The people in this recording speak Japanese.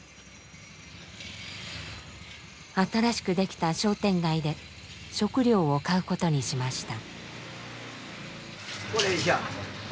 新しく出来た商店街で食料を買うことにしました。